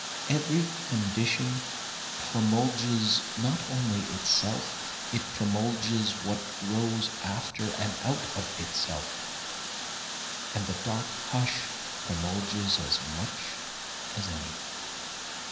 Every condition promulges not only itself, it promulges what grows after and out of itself, And the dark hush promulges as much as any.